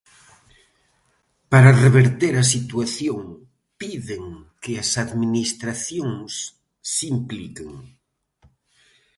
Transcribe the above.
Para reverter a situación piden que as administracións se impliquen.